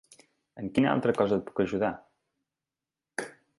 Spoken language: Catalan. En quina altra cosa et puc ajudar?